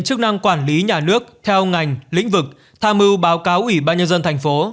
chức năng quản lý nhà nước theo ngành lĩnh vực tham mưu báo cáo ủy ban nhân dân thành phố